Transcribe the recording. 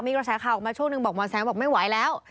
มีกระแสข่าวออกมาช่วงหนึ่งบอกหมอแสงบอกไม่ไหวแล้ว